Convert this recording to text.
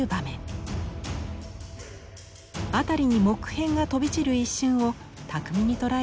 辺りに木片が飛び散る一瞬を巧みに捉えています。